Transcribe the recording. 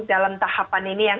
dalam tahapan ini yang